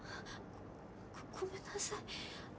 ごめんなさい。